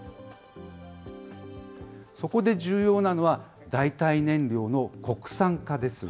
そこで重要なのは、代替燃料の国産化です。